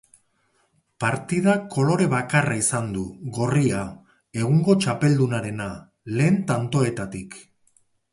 Partidak kolore bakarra izan du, gorria, egungo txapeldunarena, lehen tantoetatik.